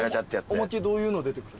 おまけどういうの出てくる。